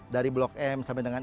dari blok m sampai dengan